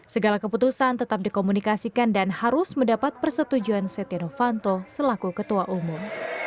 segala keputusan tetap dikomunikasikan dan harus mendapat persetujuan setia novanto selaku ketua umum